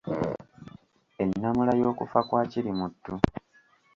Ennamula y’okufa kwa Kirimuttu.